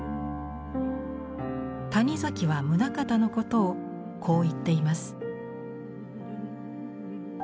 谷崎は棟方のことをこう言っています。